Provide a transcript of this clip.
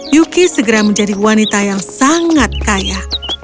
yuki segera menjadi wanita yang sangat kaya